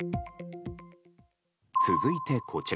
続いて、こちら。